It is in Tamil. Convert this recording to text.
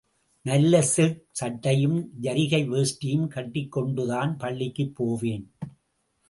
நல்ல சில்க் சட்டையும், ஜரிகை வேஷ்டியும் கட்டிக்கொண்டுதான் பள்ளிக்குப் போவேன்.